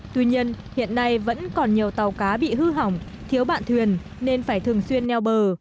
tuy nhiên hiện nay vẫn còn nhiều tàu cá bị hư hỏng thiếu bạn thuyền nên phải thường xuyên neo bờ